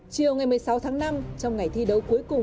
chiều ngày một mươi sáu tháng năm trong ngày thi đấu cuối cùng